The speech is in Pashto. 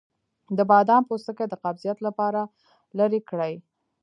د بادام پوستکی د قبضیت لپاره لرې کړئ